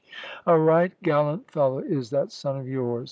"A right gallant fellow is that son of yours.